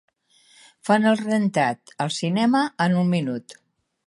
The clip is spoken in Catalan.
Fan "El rentat" al cinema en un minut